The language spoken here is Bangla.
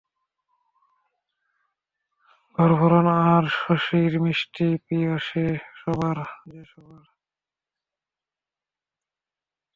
ঘরভরণ আর শশীর মিস্টি প্রিয় যে সবার।